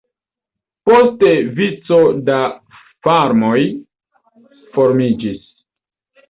Poste vico da farmoj formiĝis.